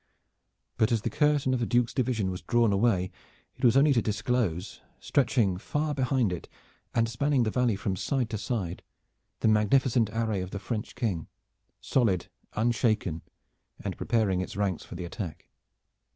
But as the curtain of the Duke's division was drawn away it was only to disclose stretching far behind it, and spanning the valley from side to side, the magnificent array of the French King, solid, unshaken, and preparing its ranks for the attack.